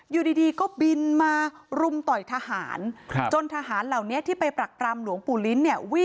อยู่ดีก็บินมารุมต่อยทหารจนทหารเหล่านี้ที่ไปปรักปรำหลวงปู่ลิ้นเนี่ย